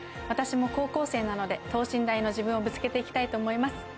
私も高校生なので、等身大の自分をぶつけていきたいと思います。